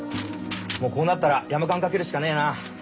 もうこうなったら山勘かけるしかねえな。